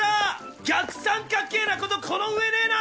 逆三角形な事この上ねえな！